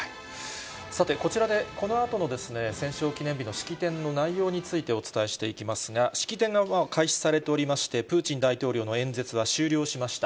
さて、こちらでこのあとの戦勝記念日の式典の内容についてお伝えしていきますが、式典が開始されておりまして、プーチン大統領の演説は終了しました。